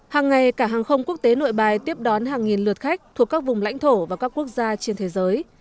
hàng ngày cảng hàng không quốc tế nội bài tiếp đón hàng nghìn lượt khách thuộc các vùng lãnh thổ và các quốc gia trên thế giới